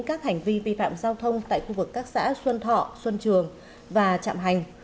các hành vi vi phạm giao thông tại khu vực các xã xuân thọ xuân trường và trạm hành